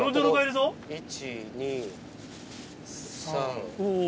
１・２・３。